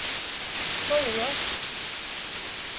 Што је још?